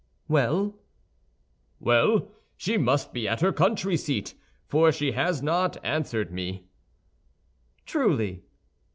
"Well?" "Well, she must be at her country seat, for she has not answered me." "Truly?"